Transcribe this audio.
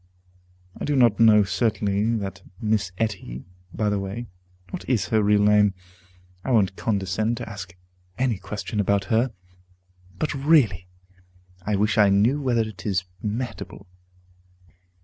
I do not know certainly that Miss Etty By the way, what is her real name? I won't condescend to ask any question about her. But really, I wish I knew whether it is Mehitable.